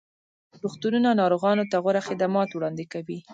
روغتونونه ناروغانو ته غوره خدمات وړاندې کوي.